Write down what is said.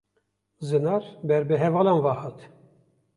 Zinar ber bi hevalan ve hat.